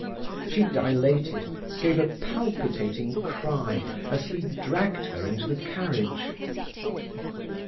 She dilated, gave a palpitating cry as he dragged her into the carriage.